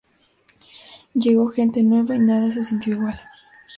Llegó gente nueva y nada se sintió igual.